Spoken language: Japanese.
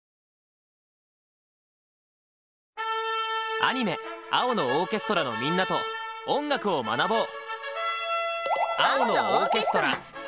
アニメ「青のオーケストラ」のみんなと音楽を学ぼう！